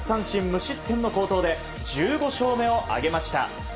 無失点の好投で１５勝目を挙げました。